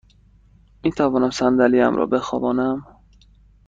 می توانم صندلی ام را بخوابانم؟